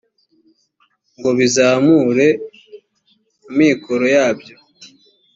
ngo bizamure amikoro yabyo